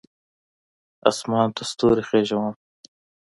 اسمان ته ستوري خیژوم